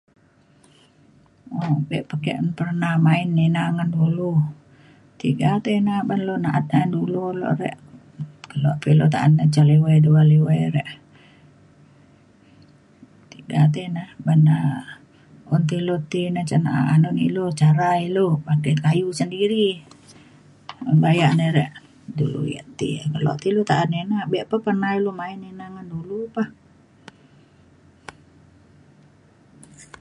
Bek pa ke un pernah main ina ngan dulu. Tiga tai ina ban ilu na'at da'an dulu lo rek kelo pa ilu ta'an ca liwai dua liwai a rek. Tiga tei ina ban da un ti ilu ti ca na'an un ilu cara ilu pakai kayu sendiri baya na rek dulu ia ti kelo pa ilu ta'an ina bek pa pernah ilu main ina ngan dulu pah